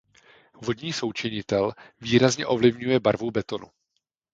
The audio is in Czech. Vodní součinitel výrazně ovlivňuje barvu betonu.